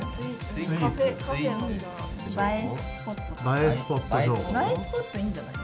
映えスポットいいんじゃない？